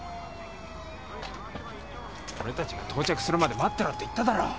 俺たちが到着するまで待ってろと言っただろう。